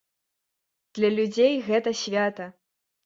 Для людзей гэта свята.